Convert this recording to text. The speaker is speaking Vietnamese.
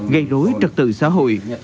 gây đối trật tự xã hội